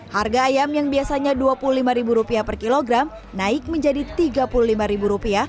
harga ayam yang biasanya rp dua puluh lima per kilogram naik menjadi rp tiga puluh lima